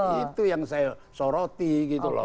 itu yang saya soroti gitu loh